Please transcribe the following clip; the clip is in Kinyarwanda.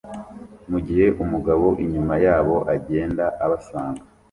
mugihe umugabo inyuma yabo agenda abasanga